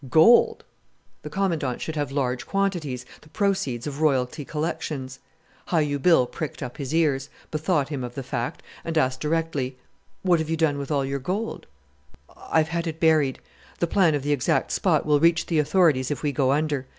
Gold! The Commandant should have large quantities, the proceeds of royalty collections. Hi u Bill pricked up his ears, bethought him of the fact, and asked directly, "What have you done with all your gold?" "I've had it buried. The plan of the exact spot will reach the authorities if we go under.